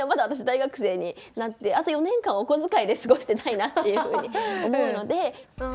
私大学生になってあと４年間お小遣いで過ごしてたいなっていうふうに思うので。